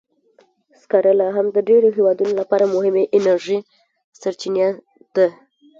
سکاره لا هم د ډېرو هېوادونو لپاره مهمه انرژي سرچینه ده.